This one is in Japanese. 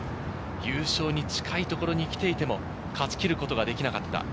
優勝に近いところに来ていても、勝ち切ることができなかった。